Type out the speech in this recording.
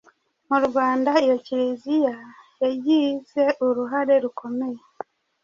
Mu Rwanda, iyo Kiliziya yagize uruhare rukomeye